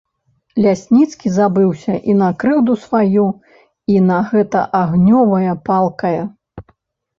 Лясніцкі забыўся і на крыўду сваю, і на гэта агнёвае, палкае.